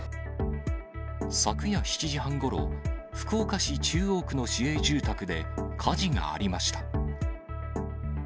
昨夜７時半ごろ、福岡市中央区の市営住宅で、火事がありました。